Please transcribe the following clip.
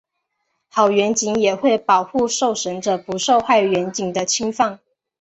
好员警也会保护受审者不受坏员警的侵犯。